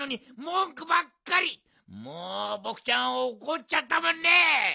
もうボクちゃんはおこっちゃったもんね！